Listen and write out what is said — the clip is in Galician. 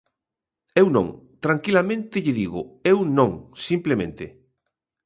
Eu non, tranquilamente lle digo: eu non, simplemente.